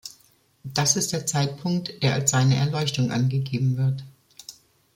Das ist der Zeitpunkt, der als seine Erleuchtung angegeben wird.